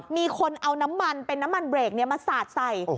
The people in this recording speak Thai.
มีคนเอาน้ำมันเป็นน้ำมันเบรกมาสาดใส่